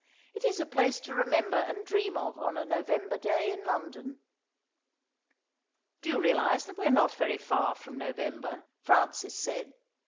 "It is a place to remember and dream of on a November day in London." "Do you realise that we are not very far from November?" Francis said.